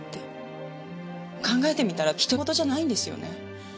考えてみたらひとごとじゃないんですよね。